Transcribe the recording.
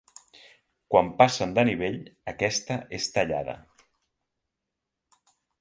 Quan passen de nivell, aquesta és tallada.